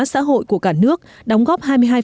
xã hội của cả nước đóng góp hai mươi hai